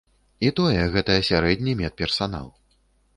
І тое гэта сярэдні медперсанал.